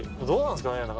どうなんですかね？